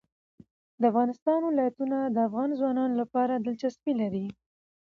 د افغانستان ولايتونه د افغان ځوانانو لپاره دلچسپي لري.